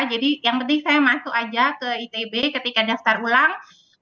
jadi yang penting saya masuk saja ke itb ketika daftar ulang